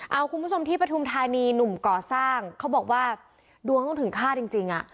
เอาคุณผู้ชมที่ปฐุมธานีหนุ่มก่อสร้างเขาบอกว่าดวงต้องถึงฆ่าจริงจริงอ่ะ